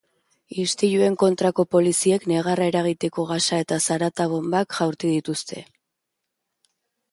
Istiluen kontrako poliziek negarra eragiteko gasa eta zarata bonbak jaurti dituzte.